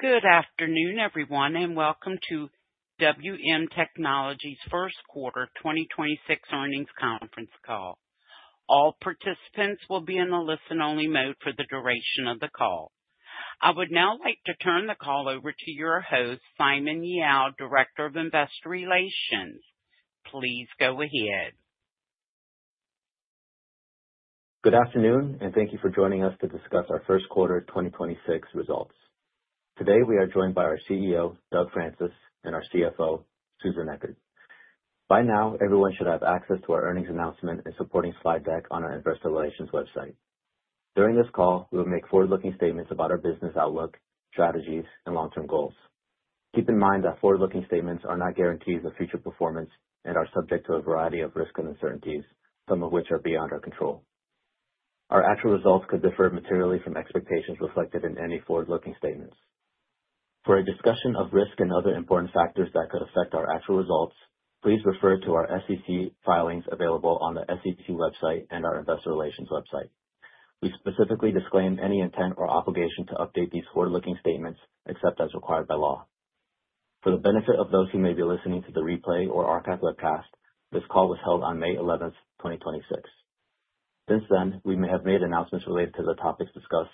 Good afternoon, everyone, welcome to WM Technology's first quarter 2026 earnings conference call. All participants will be in a listen-only mode for the duration of the call. I would now like to turn the call over to your host, Simon Yao, Director of Investor Relations. Please go ahead. Good afternoon. Thank you for joining us to discuss our first quarter 2026 results. Today, we are joined by our CEO, Douglas Francis, and our CFO, Susan Echard. By now, everyone should have access to our earnings announcement and supporting slide deck on our investor relations website. During this call, we will make forward-looking statements about our business outlook, strategies, and long-term goals. Keep in mind that forward-looking statements are not guarantees of future performance and are subject to a variety of risks and uncertainties, some of which are beyond our control. Our actual results could differ materially from expectations reflected in any forward-looking statements. For a discussion of risk and other important factors that could affect our actual results, please refer to our SEC filings available on the SEC website and our investor relations website. We specifically disclaim any intent or obligation to update these forward-looking statements except as required by law. For the benefit of those who may be listening to the replay or archived webcast, this call was held on May 11th, 2026. Since then, we may have made announcements related to the topics discussed,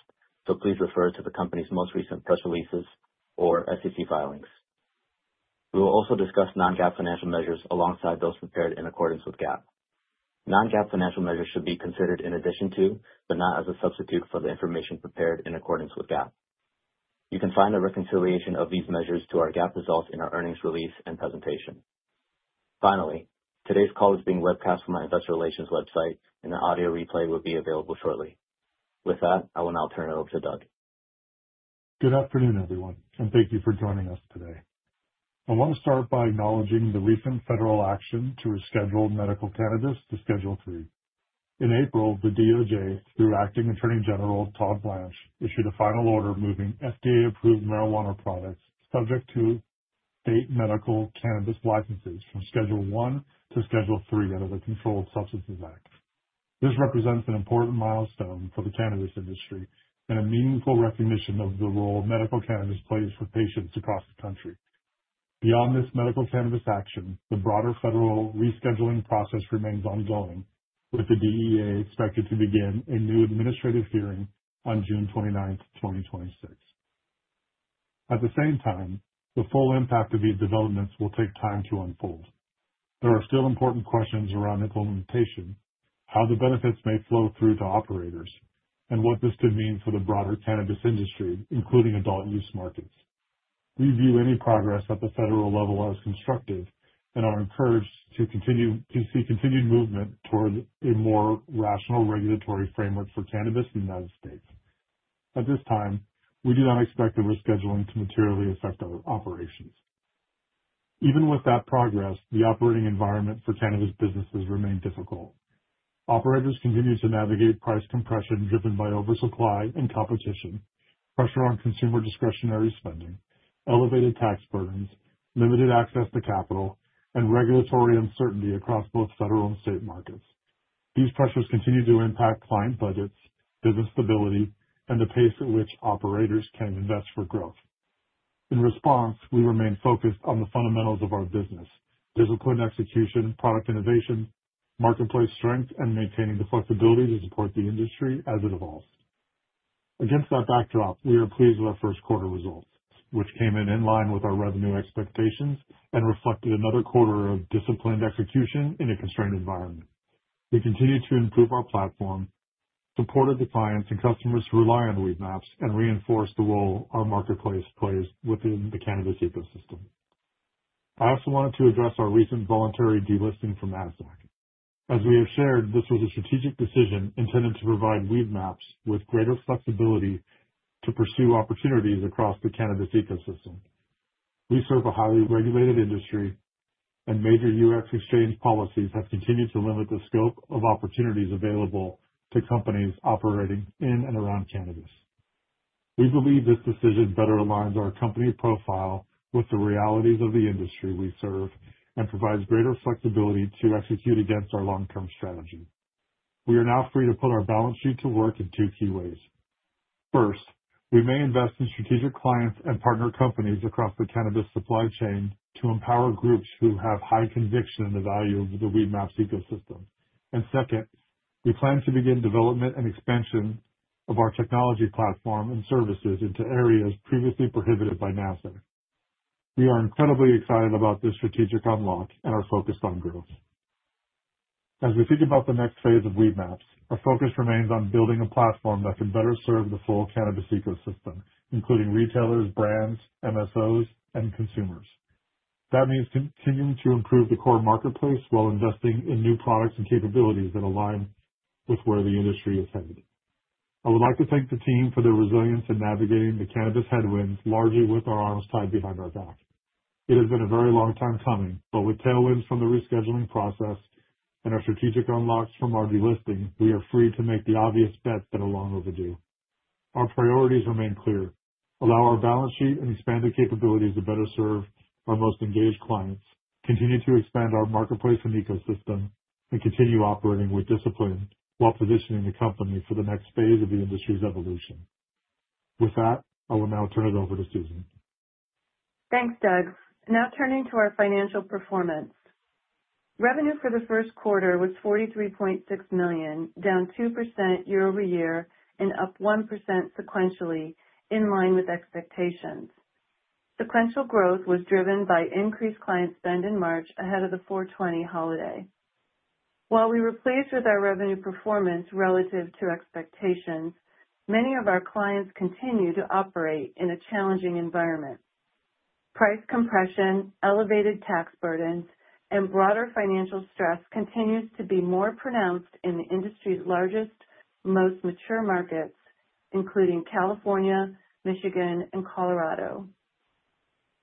so please refer to the company's most recent press releases or SEC filings. We will also discuss non-GAAP financial measures alongside those prepared in accordance with GAAP. Non-GAAP financial measures should be considered in addition to, but not as a substitute for, the information prepared in accordance with GAAP. You can find a reconciliation of these measures to our GAAP results in our earnings release and presentation. Finally, today's call is being webcast on our investor relations website, and the audio replay will be available shortly. With that, I will now turn it over to Doug. Good afternoon, everyone, and thank you for joining us today. I want to start by acknowledging the recent federal action to reschedule medical cannabis to Schedule III. In April, the DOJ, through Acting Attorney General Todd Blanche, issued a final order moving FDA-approved marijuana products subject to state medical cannabis licenses from Schedule I to Schedule III under the Controlled Substances Act. This represents an important milestone for the cannabis industry and a meaningful recognition of the role medical cannabis plays for patients across the country. Beyond this medical cannabis action, the broader federal rescheduling process remains ongoing, with the DEA expected to begin a new administrative hearing on June 29, 2026. At the same time, the full impact of these developments will take time to unfold. There are still important questions around implementation, how the benefits may flow through to operators, and what this could mean for the broader cannabis industry, including adult use markets. We view any progress at the federal level as constructive and are encouraged to see continued movement toward a more rational regulatory framework for cannabis in the U.S. At this time, we do not expect the rescheduling to materially affect our operations. Even with that progress, the operating environment for cannabis businesses remain difficult. Operators continue to navigate price compression driven by oversupply and competition, pressure on consumer discretionary spending, elevated tax burdens, limited access to capital, and regulatory uncertainty across both federal and state markets. These pressures continue to impact client budgets, business stability, and the pace at which operators can invest for growth. In response, we remain focused on the fundamentals of our business, disciplined execution, product innovation, marketplace strength, and maintaining the flexibility to support the industry as it evolves. Against that backdrop, we are pleased with our first quarter results, which came in in line with our revenue expectations and reflected another quarter of disciplined execution in a constrained environment. We continued to improve our platform, supported the clients and customers who rely on Weedmaps, and reinforced the role our marketplace plays within the cannabis ecosystem. I also wanted to address our recent voluntary delisting from Nasdaq. As we have shared, this was a strategic decision intended to provide Weedmaps with greater flexibility to pursue opportunities across the cannabis ecosystem. We serve a highly regulated industry, and major U.S. exchange policies have continued to limit the scope of opportunities available to companies operating in and around cannabis. We believe this decision better aligns our company profile with the realities of the industry we serve and provides greater flexibility to execute against our long-term strategy. We are now free to put our balance sheet to work in two key ways. First, we may invest in strategic clients and partner companies across the cannabis supply chain to empower groups who have high conviction in the value of the Weedmaps ecosystem. Second, we plan to begin development and expansion of our technology platform and services into areas previously prohibited by Nasdaq. We are incredibly excited about this strategic unlock and are focused on growth. As we think about the next phase of Weedmaps, our focus remains on building a platform that can better serve the full cannabis ecosystem, including retailers, brands, MSOs, and consumers. That means continuing to improve the core marketplace while investing in new products and capabilities that align with where the industry is headed. I would like to thank the team for their resilience in navigating the cannabis headwinds, largely with our arms tied behind our back. It has been a very long time coming, but with tailwinds from the rescheduling process and our strategic unlocks from our delisting, we are free to make the obvious bets that are long overdue. Our priorities remain clear. Allow our balance sheet and expanded capabilities to better serve our most engaged clients. Continue to expand our marketplace and ecosystem. Continue operating with discipline while positioning the company for the next phase of the industry's evolution. With that, I will now turn it over to Susan. Thanks, Doug. Now turning to our financial performance. Revenue for the first quarter was $43.6 million, down 2% year-over-year and up 1% sequentially, in line with expectations. Sequential growth was driven by increased client spend in March ahead of the 4/20 holiday. While we were pleased with our revenue performance relative to expectations, many of our clients continue to operate in a challenging environment. Price compression, elevated tax burdens, and broader financial stress continues to be more pronounced in the industry's largest, most mature markets, including California, Michigan, and Colorado.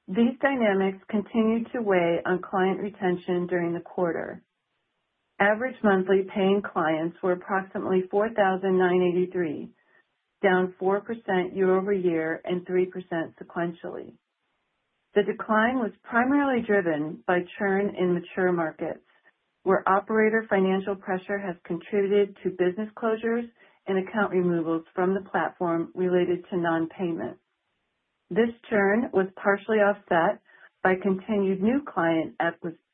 These dynamics continued to weigh on client retention during the quarter. Average monthly paying clients were approximately 4,983, down 4% year-over-year and 3% sequentially. The decline was primarily driven by churn in mature markets, where operator financial pressure has contributed to business closures and account removals from the platform related to non-payment. This churn was partially offset by continued new client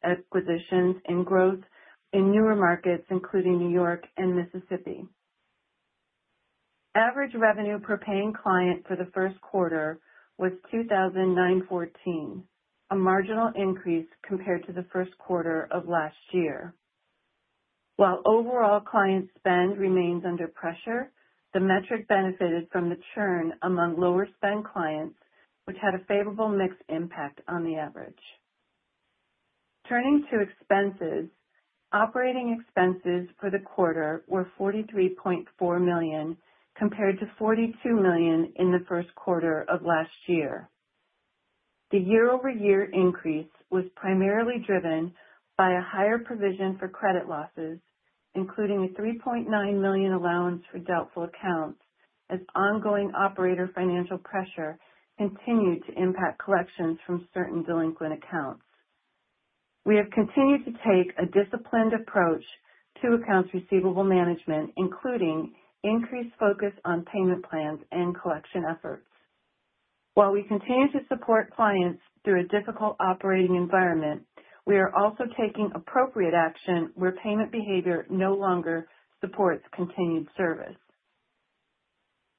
acquisitions and growth in newer markets, including New York and Mississippi. Average revenue per paying client for the first quarter was $2,914, a marginal increase compared to the first quarter of last year. While overall client spend remains under pressure, the metric benefited from the churn among lower spend clients, which had a favorable mixed impact on the average. Turning to expenses, operating expenses for the quarter were $43.4 million, compared to $42 million in the first quarter of last year. The year-over-year increase was primarily driven by a higher provision for credit losses, including a $3.9 million allowance for doubtful accounts, as ongoing operator financial pressure continued to impact collections from certain delinquent accounts. We have continued to take a disciplined approach to accounts receivable management, including increased focus on payment plans and collection efforts. While we continue to support clients through a difficult operating environment, we are also taking appropriate action where payment behavior no longer supports continued service.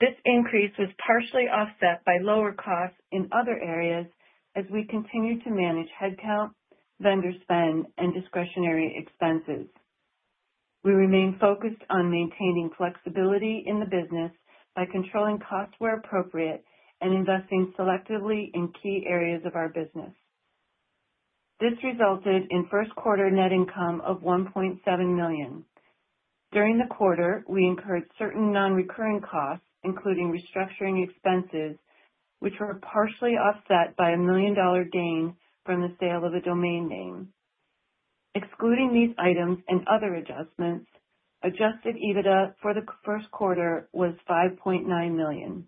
This increase was partially offset by lower costs in other areas as we continue to manage headcount, vendor spend, and discretionary expenses. We remain focused on maintaining flexibility in the business by controlling costs where appropriate and investing selectively in key areas of our business. This resulted in first quarter net income of $1.7 million. During the quarter, we incurred certain non-recurring costs, including restructuring expenses, which were partially offset by a million-dollar gain from the sale of a domain name. Excluding these items and other adjustments, adjusted EBITDA for the first quarter was $5.9 million.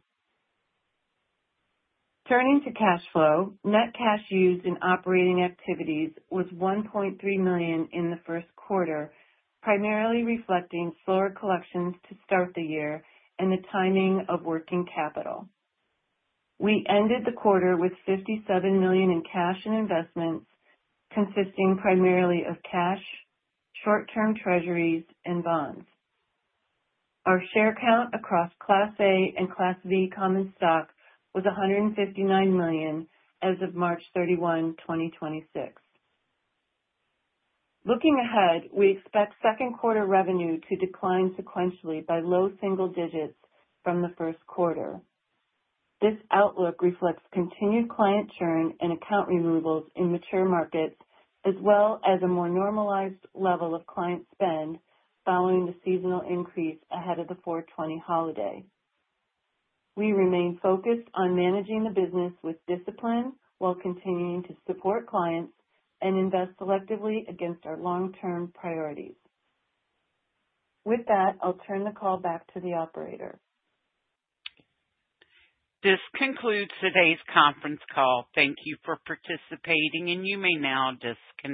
Turning to cash flow, net cash used in operating activities was $1.3 million in the first quarter, primarily reflecting slower collections to start the year and the timing of working capital. We ended the quarter with $57 million in cash and investments, consisting primarily of cash, short-term treasuries, and bonds. Our share count across Class A and Class V common stock was $159 million as of March 31, 2026. Looking ahead, we expect second quarter revenue to decline sequentially by low single digits from the first quarter. This outlook reflects continued client churn and account removals in mature markets as well as a more normalized level of client spend following the seasonal increase ahead of the 0 holiday. We remain focused on managing the business with discipline while continuing to support clients and invest selectively against our long-term priorities. With that, I'll turn the call back to the operator. This concludes today's conference call. Thank you for participating, and you may now disconnect.